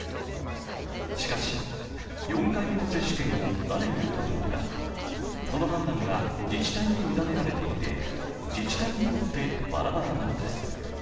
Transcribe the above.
しかし、４回目の接種券を誰に送るのか、その判断は自治体に委ねられていて自治体によってバラバラなのです。